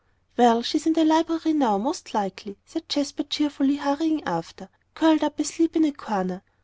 "Well, she's in the library now, most likely," said Jasper, cheerfully, hurrying after, "curled up asleep in a corner."